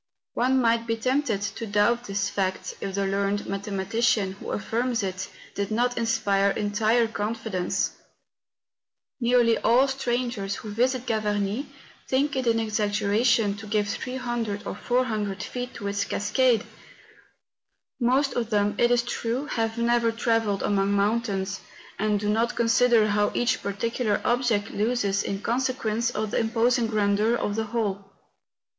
One might be tempted to doubt this fact, if the learned mathema¬ tician who affirms it did not inspire entire confid¬ ence. Nearly all strangers who visit Gavarnie think it an exaggeration to give 300 or 400 feet to its 122 MOUNTAIN ADVENTUEES. cascade! Most of them, it is true, have never tra¬ velled among mountains, and do not consider how each particular object loses in consequence of the imposing grandeur of the whole.